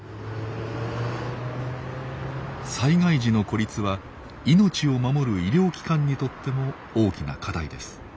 災害時の孤立は命を守る医療機関にとっても大きな課題です。